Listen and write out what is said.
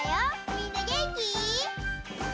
みんなげんき？